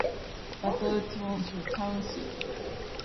Battle Township took its name from the Battle River.